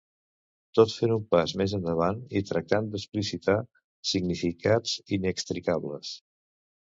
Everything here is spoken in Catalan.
tot fent un pas més endavant i tractant d'explicitar significats inextricables